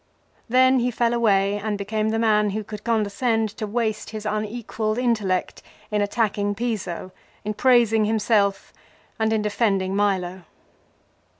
Then he fell away and became the man who could condescend to waste his unequalled intellect in attacking Piso, in praising himself, and in defending Milo.